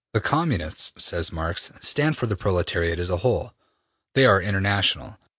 '' The Communists, says Marx, stand for the proletariat as a whole. They are international.